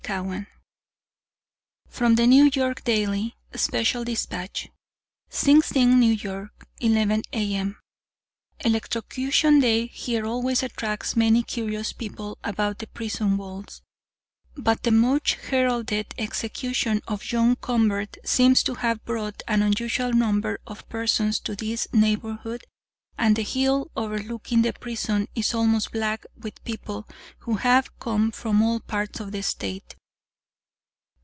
EPILOGUE FROM THE NEW YORK DAILY (Special Despatch:) "SING SING, N. Y., 11 A. M. Electrocution day here always attracts many curious people about the prison walls, but the much heralded execution of John Convert seems to have brought an unusual number of persons to this neighborhood, and the hill overlooking the prison is almost black with people, who have come from all parts of the State.